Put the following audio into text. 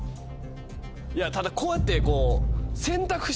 いやただこうやって。